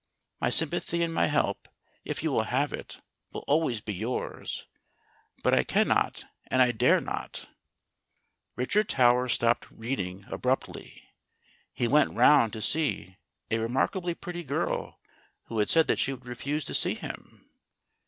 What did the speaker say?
My sympathy and my help, if you will have it, will always be yours, but I cannot and I dare not " Richard Tower stopped reading abruptly. He went round to see a remarkably pretty girl who had said that she would refuse to see him.